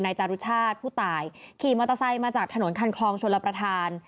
จารุชาติผู้ตายขี่มอเตอร์ไซค์มาจากถนนคันคลองชลประธาน